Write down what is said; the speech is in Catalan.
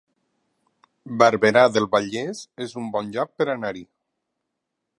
Barberà del Vallès es un bon lloc per anar-hi